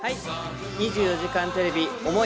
『２４時間テレビ想い